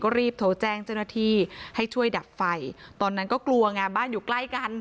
รีบโทรแจ้งเจ้าหน้าที่ให้ช่วยดับไฟตอนนั้นก็กลัวไงบ้านอยู่ใกล้กัน